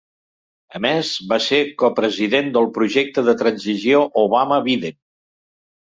A més, va ser copresident del Projecte de Transició Obama-Biden.